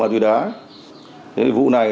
thế vụ này